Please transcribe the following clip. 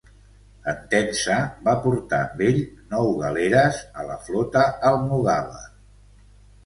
Entença va portar amb ell nou galeres a la flota almogàver.